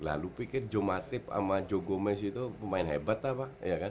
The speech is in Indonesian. lalu pikir joe matip sama joe gomez itu pemain hebat apa